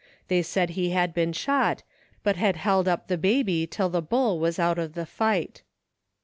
They said he had been shot, but had held up the baby till the bull was out of the fight.